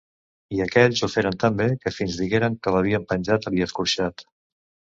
I aquells ho feren tan bé que fins digueren que l'havien penjat i escorxat.